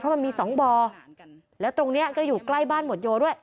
มันมีสองบ่อแล้วตรงนี้ก็อยู่ใกล้บ้านหมวดโยด้วย